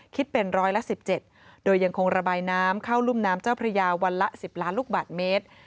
คิดเป็นร้อยละ๑๗โดยยังคงระบายน้ำเข้ารุ่มน้ำเจ้าพระยาวันละ๑๐ล้านลูกบาทเมตร